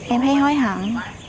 em thấy hối hận